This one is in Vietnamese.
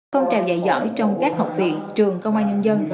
phong trào dạy giỏi trong các học viện trường công an nhân dân